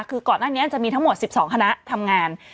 คือก่อนหน้านี้จะมีทั้งหมด๑๒คณะทำงาน